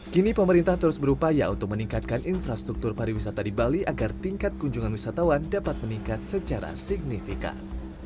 kini pemerintah terus berupaya untuk meningkatkan infrastruktur pariwisata di bali agar tingkat kunjungan wisatawan dapat meningkat secara signifikan